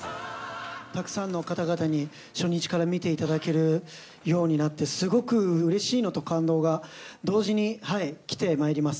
たくさんの方々に初日から見ていただけるようになって、すごくうれしいのと感動が同時に来てまいります。